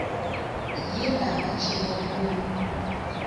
Ye aba kimoggo.